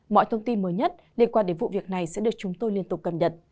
mọi thông tin mới nhất liên quan đến vụ việc này sẽ được chúng tôi liên tục cầm nhận